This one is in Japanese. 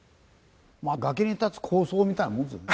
まあ崖に立つ高僧みたいなものですよね。